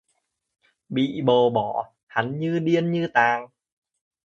Bị bồ bỏ, hắn như điên như tàng